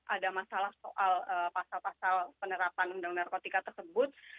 ada masalah soal pasal pasal penerapan undang undang narkotika tersebut